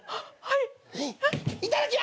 いただきます！